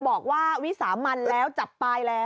บอกว่าวิสามันแล้วจับตายแล้ว